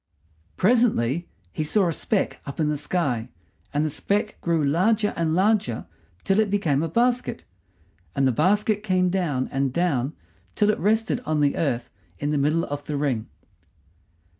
Presently he saw a speck up in the sky, and the speck grew larger and larger till it became a basket, and the basket came down and down till it rested on the earth in the middle of the ring.